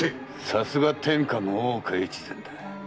さすが天下の大岡越前だ。